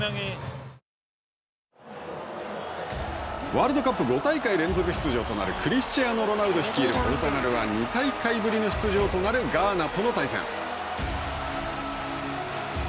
ワールドカップ５大会連続出場となるクリスチアーノ・ロナウド率いるポルトガルは２大会ぶりの出場となるガーナとの対戦。